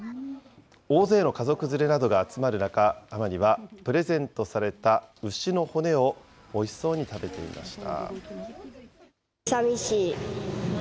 大勢の家族連れなどが集まる中、アマニはプレゼントされた牛の骨をおいしそうに食べていました。